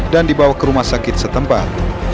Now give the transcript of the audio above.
dibawa ke rumah sakit setempat